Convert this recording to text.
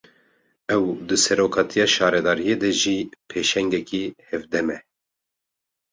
Ew, di serokatiya şaredariyê de jî pêşengekî hevdem e